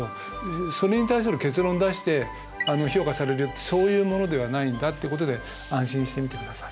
それに対する結論出して評価されるそういうものではないんだってことで安心してみてください。